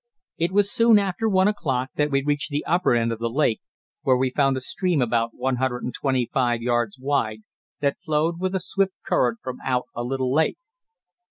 It was soon after one o'clock that we reached the upper end of the lake, where we found a stream about 125 yards wide that flowed with a swift current from out a little lake.